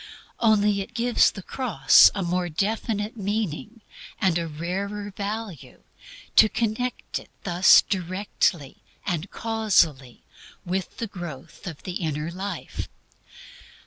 Only it gives to the cross a more definite meaning, and a rarer value, to connect it thus directly and casually with the growth of the inner life.